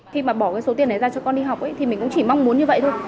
khi mà bỏ cái số tiền đấy ra cho con đi học thì mình cũng chỉ mong muốn như vậy thôi